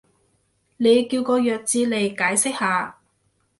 你叫個弱智嚟解釋下